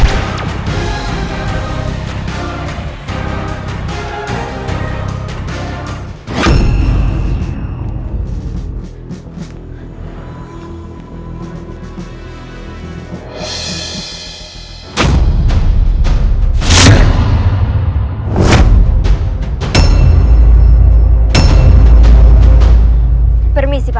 kita memang terkejut